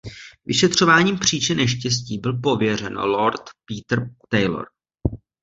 Vyšetřováním příčin neštěstí byl pověřen Lord Peter Taylor.